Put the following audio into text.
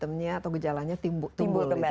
oke jadi itu adalah gejala kembali